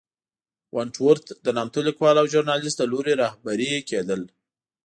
ونټ ورت د نامتو لیکوال او ژورنالېست له لوري رهبري کېدل.